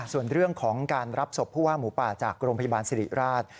ส่วนเรื่องของการรับศพผู้ว่าหมูป่าจากโรงพยาบาลสิริราช